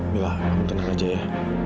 yaudah kamu tenang aja ya